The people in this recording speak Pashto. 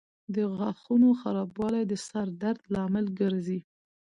د غاښونو خرابوالی د سر درد لامل ګرځي.